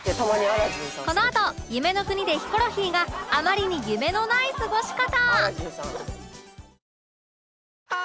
このあと夢の国でヒコロヒーがあまりに夢のない過ごし方